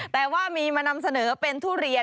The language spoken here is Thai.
แต่ว่ามีมานำเสนอเป็นทุเรียน